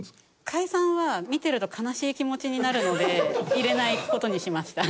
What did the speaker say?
解散は見てると悲しい気持ちになるので入れない事にしました。